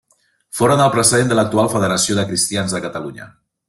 Foren el precedent de l'actual Federació de Cristians de Catalunya.